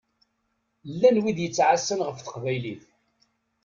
Llan wid yettɛassan ɣef teqbaylit.